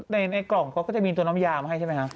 ในกล่องเขาก็จะมีตัวน้ำยามาให้ใช่ไหมครับ